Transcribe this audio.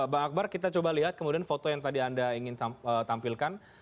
bang akbar kita coba lihat kemudian foto yang tadi anda ingin tampilkan